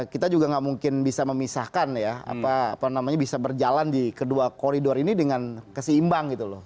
karena kita juga nggak mungkin bisa memisahkan ya apa namanya bisa berjalan di kedua koridor ini dengan keseimbang gitu loh